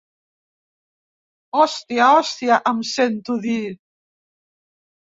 Hòstia, hòstia —em sento dir.